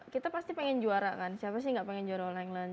kita pasti pengen juara kan siapa sih nggak pengen juara all england